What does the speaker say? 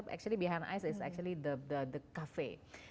sebenarnya di belakang kita itu sebenarnya kafe